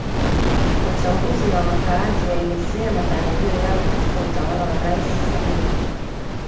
Wachambuzi na wakaazi waelezea matarajio yao katika utawala wa Rais Samia